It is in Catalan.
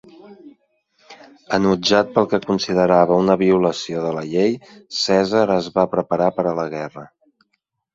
Enutjat pel que considerava una violació de la llei, Cèsar es va preparar per a la guerra.